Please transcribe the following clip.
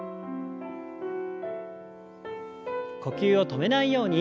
呼吸を止めないように。